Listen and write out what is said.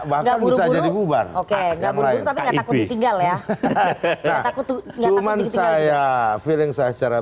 walaupun bisa jadi bubar oke enggak mungkin tinggal ya takut cuman saya feeling secara